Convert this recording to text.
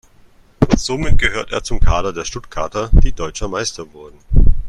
Somit gehörte er zum Kader der Stuttgarter, die deutscher Meister wurden.